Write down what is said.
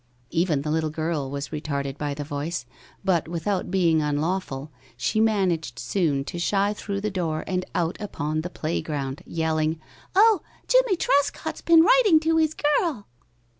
Even the little girl was retarded by the voice, but, without being unlawful, she managed soon to shy through the door and out upon the play ground, yelling, "Oh, Jimmie Trescott's been writing to his girl!"